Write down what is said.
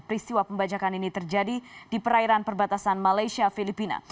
peristiwa pembajakan ini terjadi di perairan perbatasan malaysia filipina